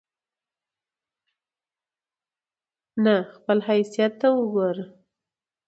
نه خپل حيثت ته وګوري